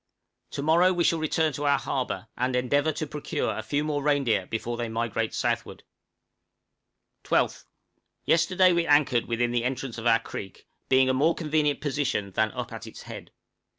To morrow we shall return to our harbor, and endeavor to procure a few more reindeer before they migrate southward. 12th. Yesterday we anchored within the entrance of our creek, being a more convenient position than up at its head.